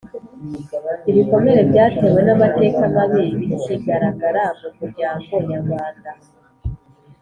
Ibikomere byatewe n amateka mabi bikigaragara mu muryango nyarwanda